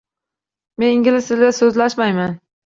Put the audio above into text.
Men ingliz tilida so’zlashmayman.